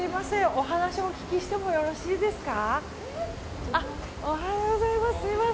お話をお聞きしてもよろしいですか。